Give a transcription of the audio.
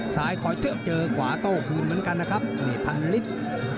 สายข่อยเที่ยวเจอกวาโต้คืนเหมือนกันนะครับนี่พันลิตร